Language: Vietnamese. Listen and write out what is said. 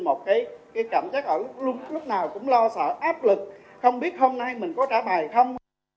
một cái cảm giác ở lúc nào cũng lo sợ áp lực không biết hôm nay mình có trả bài không